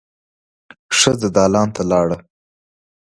ښځه دالان ته لاړه.